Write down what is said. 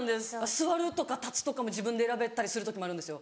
座るとか立つとかも自分で選べたりする時もあるんですよ。